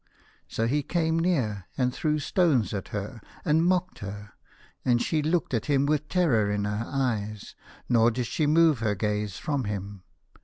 So he came near and threw stones at her, and mocked her, and she looked at him with terror in her eyes, nor did she move her gaze from him.